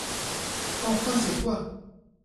Enfin, c’est toi !